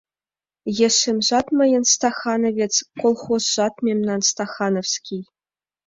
Ешемжат мыйын стахановец, колхозшат мемнан стахановский!